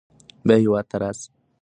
بیا هیواد ته راشئ او خدمت وکړئ.